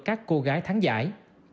các cô gái thắng giải